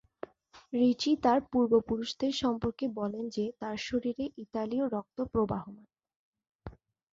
রিচি তার পূর্বপুরুষদের সম্পর্কে বলেন যে তার শরীরে ইতালীয় রক্ত প্রবহমান।